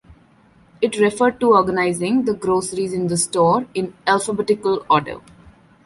It referred to organizing the groceries in the store in alphabetical order.